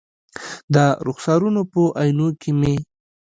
د رخسارونو په آئینو کې مې